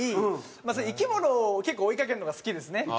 まあそういう生き物を結構追いかけるのが好きですね。